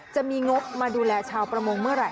จะมีงบมาดูแลชาวประมงเมื่อไห